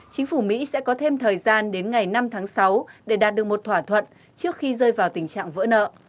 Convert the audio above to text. chính phủ mỹ sẽ có thêm thời gian đến ngày năm tháng sáu để đạt được một thỏa thuận trước khi rơi vào tình trạng vỡ nợ